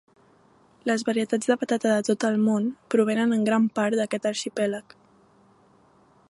Les varietats de patata de tot el món provenen en gran part d'aquest arxipèlag.